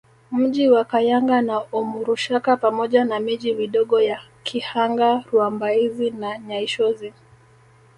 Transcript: Mji wa Kayanga na Omurushaka pamoja na miji midogo ya Kihanga Rwambaizi na Nyaishozi